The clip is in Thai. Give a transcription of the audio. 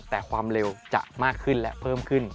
แต่ความเร็วจะมากขึ้นและเพิ่มขึ้น